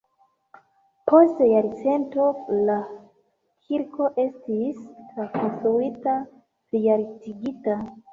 Post jarcento la kirko estis trakonstruita, plialtigita.